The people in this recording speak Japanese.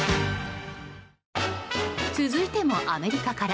続いてもアメリカから。